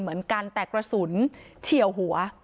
เหมือนกันแต่กระสุนเฉียวหัว